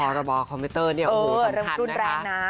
ระบอคอมพิวเตอร์เนี่ยโอ้โหสำคัญนะคะ